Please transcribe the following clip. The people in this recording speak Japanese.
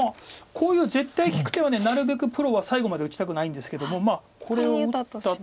こういう絶対利く手はなるべくプロは最後まで打ちたくないんですけどもこれを打ったとして